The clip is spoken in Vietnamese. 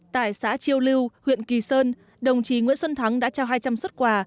tại xã chiêu lưu huyện kỳ sơn đồng chí nguyễn xuân thắng đã trao hai trăm linh xuất quà